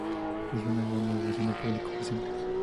Recibió una gran ovación del público presente.